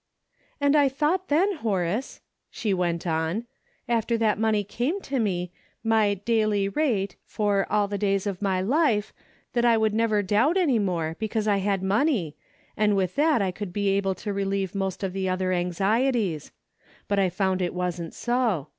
"And I thought then, Horace," she went 348 DAILY RATE:' on, '' after that money came to me, my ' daily rate ' for ' all the days of my life,' that I would never doubt any more because I had money, and with that I would be able to relieve most of the other anxieties. But I found it wasn't so.